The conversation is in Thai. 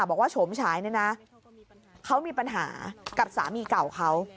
บอกว่าโฉมฉายเนี่ยนะเขามีปัญหากับสามีเก่าเขา